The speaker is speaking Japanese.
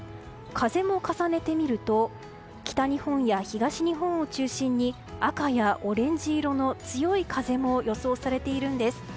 風も重ねてみると北日本や東日本を中心に赤やオレンジ色の強い風も予想されているんです。